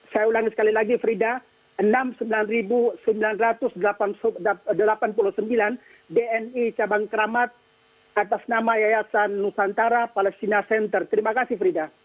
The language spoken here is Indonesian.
saya ulangi sekali lagi frida enam puluh sembilan sembilan ratus delapan puluh sembilan dni cabang keramat atas nama yayasan nusantara palestina center terima kasih frida